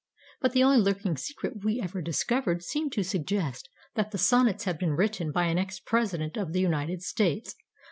But the only lurking secret we ever discovered seemed to suggest that the sonnets had been written by an ex President of the United States.